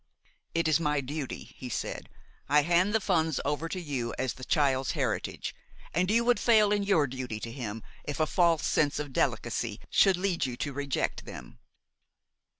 "It is my duty," he said; "I hand the funds over to you as the child's heritage, and you would fail in your duty to him if a false sense of delicacy should lead you to reject them."